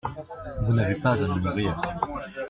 Vous n’avez pas à me nourrir.